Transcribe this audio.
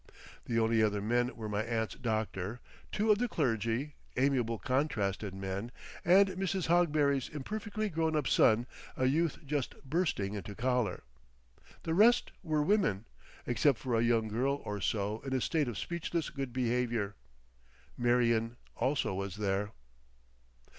The only other men were my aunt's doctor, two of the clergy, amiable contrasted men, and Mrs. Hogberry's imperfectly grown up son, a youth just bursting into collar. The rest were women, except for a young girl or so in a state of speechless good behaviour. Marion also was there.